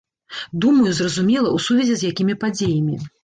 Думаю, зразумела, у сувязі з якімі падзеямі.